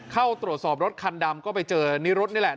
เข้าตรวจสอบรถคันดำก็ไปเจอนิรุธนี่แหละ